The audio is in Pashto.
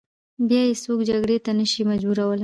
بیا یې څوک جګړې ته نه شي مجبورولای.